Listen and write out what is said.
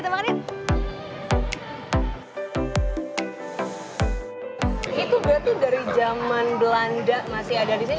itu berarti dari zaman belanda masih ada di sini